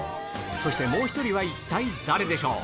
そしてもう１人は一体誰でしょう。